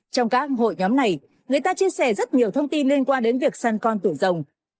trong các hội nhóm này người ta chia sẻ rất nhiều thông tin liên quan đến việc săn con tủ rồng